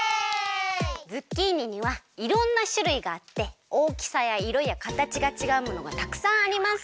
ズッキーニにはいろんなしゅるいがあっておおきさやいろやかたちがちがうものがたくさんあります。